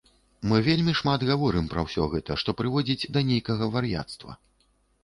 Мы вельмі шмат гаворым пра ўсё гэта, што прыводзіць да нейкага вар'яцтва.